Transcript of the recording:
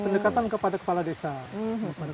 pendekatan kepada kepala desa